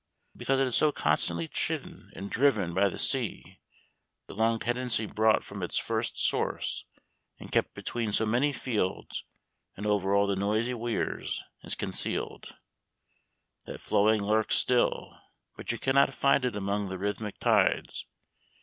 Because it is so constantly chidden and driven by the sea, the long tendency, brought from its first source and kept between so many fields and over all the noisy weirs, is concealed. That flowing lurks still, but you cannot find it among the rhythmic tides.